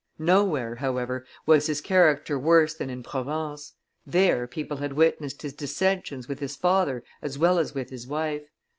Nowhere, however, was his character worse than in Provence: there people had witnessed his dissensions with his father as well as with his wife.